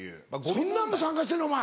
そんなんも参加してんのお前。